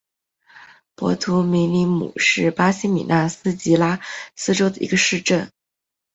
博图米里姆是巴西米纳斯吉拉斯州的一个市镇。